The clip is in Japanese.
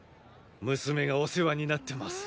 娘がお世話になってます。